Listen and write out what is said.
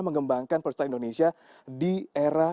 mengembangkan perusahaan indonesia di era